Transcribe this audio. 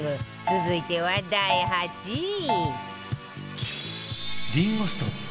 続いては第８位